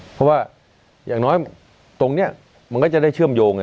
เพราะว่าอย่างน้อยตรงนี้มันก็จะได้เชื่อมโยง